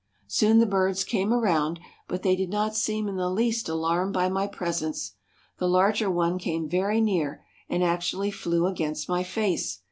Soon the birds came around, but they did not seem in the least alarmed by my presence. The larger one came very near, and actually flew against my face.